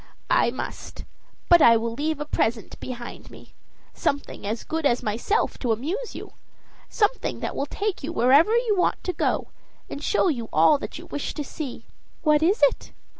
"I must; but I will leave a present behind me, something as good as myself to amuse you, something that will take you wherever you want to go, and show you all that you wish to see." "What is it?"